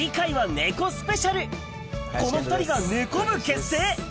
この２人がネコ部結成？